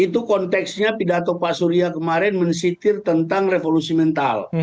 itu konteksnya pidato pak surya kemarin mensitir tentang revolusi mental